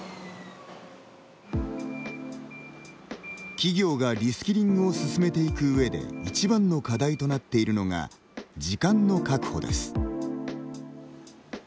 企業がリスキリングを進めていく上でいちばんの課題となっているのが時間の確保です。